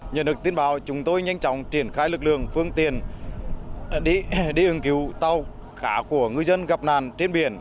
nhận được tin báo chúng tôi nhanh chóng triển khai lực lượng phương tiện để ứng cứu tàu cá của ngư dân gặp nạn trên biển